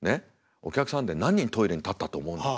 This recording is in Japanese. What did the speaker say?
「お客さんで何人トイレに立ったと思うんだ」と。